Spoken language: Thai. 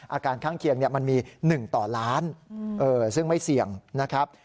อาการข้างเคียงมันมี๑ต่อล้านซึ่งไม่เสี่ยงนะครับ